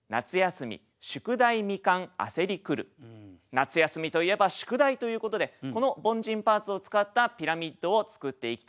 夏休みといえば「宿題」ということでこの凡人パーツを使ったピラミッドを作っていきたいと思います。